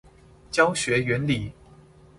教學原理